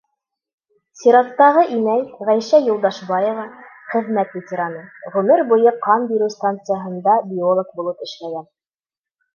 Сираттағы инәй — Ғәйшә Юлдашбаева — хеҙмәт ветераны, ғүмер буйы ҡан биреү станцияһында биолог булып эшләгән.